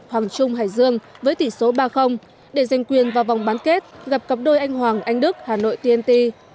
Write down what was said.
hoàng trung hải dương với tỷ số ba để giành quyền vào vòng bán kết gặp cặp đôi anh hoàng anh đức hà nội tnt